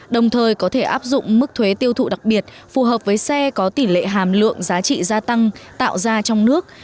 đồng thời có thể áp dụng mức thuế tiêu thụ đặc biệt phù hợp với xe có tỷ lệ hàm lượng giá trị gia tăng tạo ra trong nước